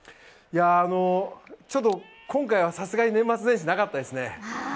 今回はさすがに年末年始なかったですね。